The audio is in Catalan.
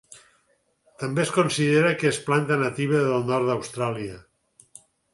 També es considera que és planta nativa del nord d'Austràlia.